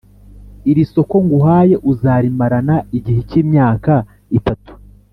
irisoko nguhaye uzarimarana igihe cy’ imyaka itatu